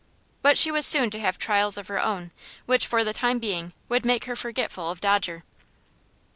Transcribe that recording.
But she was soon to have trials of her own, which for the time being would make her forgetful of Dodger.